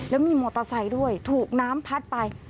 แล้วมีมอเตอร์ไซค์ด้วยถูกน้ำพัดไป